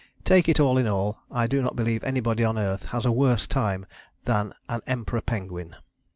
Take it all in all, I do not believe anybody on earth has a worse time than an Emperor penguin.